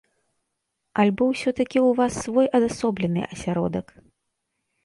Альбо ўсё-такі ў вас свой адасоблены асяродак?